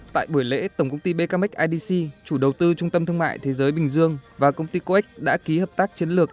tại buổi lễ tổng công ty becamec idc chủ đầu tư trung tâm thương mại thế giới bình dương và công ty coex đã ký hợp tác chiến lược